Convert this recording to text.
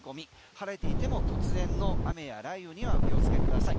晴れていても突然の雨や雷雨にはお気をつけください。